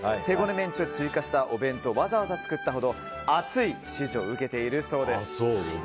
メンチを追加したお弁当をわざわざ作ったほど熱い支持を受けているそうです。